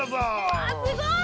わすごい。